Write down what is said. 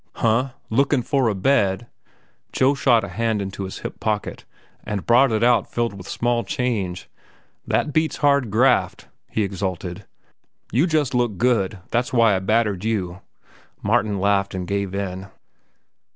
"Huh? Lookin' for a bed?" Joe shot a hand into his hip pocket and brought it out filled with small change. "That beats hard graft," he exulted. "You just looked good; that's why I battered you." Martin laughed and gave in.